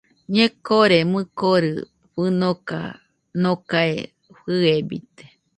Ñekore mɨkori fɨnoka nokae fɨebite